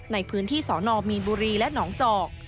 ในพื้นที่สนมีนบุรีและหนองจอก